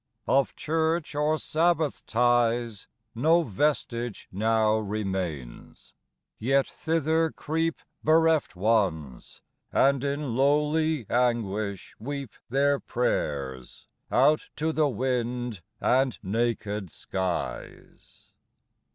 Of church, or sabbath ties, 5 No vestige now remains; yet thither creep Bereft Ones, and in lowly anguish weep Their prayers out to the wind and naked skies.